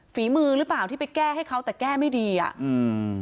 ฝีมือหรือเปล่าที่ไปแก้ให้เขาแต่แก้ไม่ดีอ่ะอืม